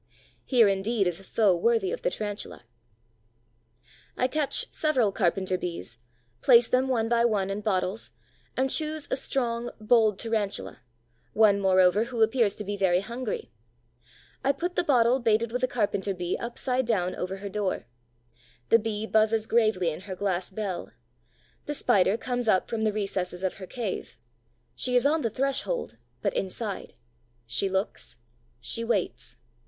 Here indeed is a foe worthy of the Tarantula. I catch several Carpenter bees, place them one by one in bottles, and choose a strong, bold Tarantula, one moreover who appears to be very hungry. I put the bottle baited with a Carpenter bee upside down over her door. The Bee buzzes gravely in her glass bell; the Spider comes up from the recesses of her cave; she is on the threshold, but inside; she looks; she waits.